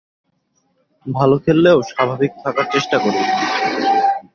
ভালো খেললেও স্বাভাবিক থাকার চেষ্টা করি।